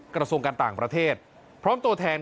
กระทรวงการต่างประเทศพร้อมตัวแทน